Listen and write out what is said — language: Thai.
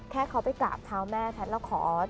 แค่เขาไปกราบเท้าแม่แททและขอด